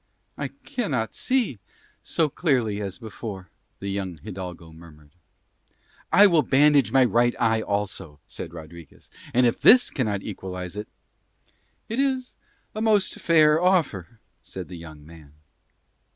"I cannot see so clearly as before," the young hidalgo murmured. "I will bandage my right eye also," said Rodriguez, "and if this cannot equalise it ..." "It is a most fair offer," said the young man.